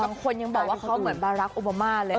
บางคนยังบอกว่าเขาเหมือนบารักษ์โอบามาเลย